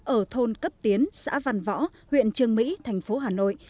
ở thôn cấp tiến xã văn võ huyện trường mỹ thành phố hà nội